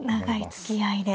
長いつきあいで。